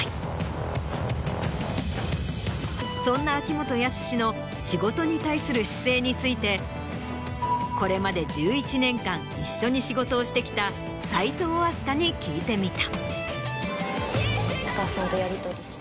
そんな秋元康の仕事に対する姿勢についてこれまで１１年間一緒に仕事をしてきた齋藤飛鳥に聞いてみた。